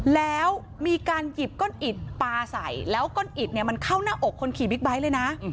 แล้วมีการหยิบก้อนอิดปลาใส่แล้วก้อนอิดเนี่ยมันเข้าหน้าอกคนขี่บิ๊กไบท์เลยนะ